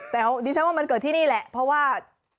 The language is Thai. แต่ดิฉันว่ามันเกิดที่นี่แหละเพราะว่า